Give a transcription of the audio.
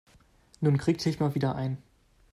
Nun krieg dich mal wieder ein.